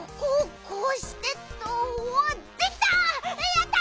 やった！